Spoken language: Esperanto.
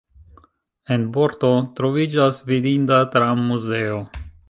En Porto troviĝas vidinda tram-muzeo.